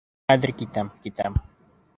Хәҙер китәм, китәм!